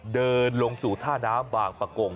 เดินลงสู่ท่าน้ำบางประกง